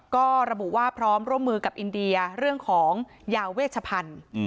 ก็ระบุว่าพร้อมร่วมมือกับอินเดียเรื่องของยาเวชพันธุ์